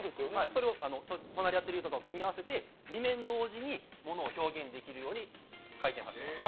それが隣り合っているところを組み合わせて２面同時に物を表現できるように回転させてます。